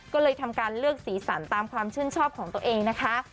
ก็เลยทำการเลือกสีสันตามความชื่นชอบของตัวเองนะคะ